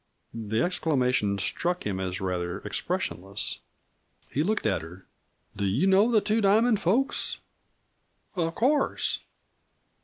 The exclamation struck him as rather expressionless. He looked at her. "Do you know the Two Diamond folks?" "Of course."